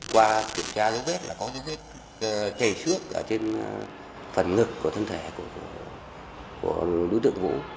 qua kiểm tra dấu vết là có những kề sước ở trên phần ngực của thân thể của đối tượng vũ